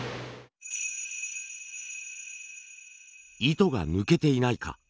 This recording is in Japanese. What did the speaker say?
糸が抜けていないか。